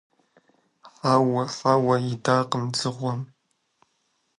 – Хьэуэ, хьэуэ! – идакъым дзыгъуэм.